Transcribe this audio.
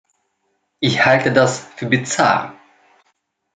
Ich halte das für bizarr.